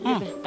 eh sini dong